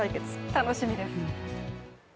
楽しみです。